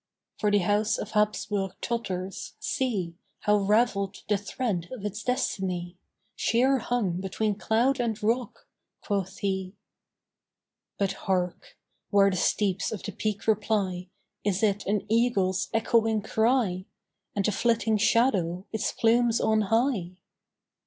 "For the House of Hapsburg totters! See, How raveled the thread of its destiny, Sheer hung between cloud and rock!" quoth he. But hark! where the steeps of the peak reply, Is it an eagle's echoing cry? And the flitting shadow, its plumes on high?